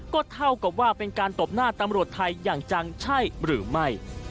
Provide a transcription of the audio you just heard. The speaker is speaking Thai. ก็เท่ากับว่าเป็นการตบหน้าตำรวจไทยอย่างจังใช่หรือไม่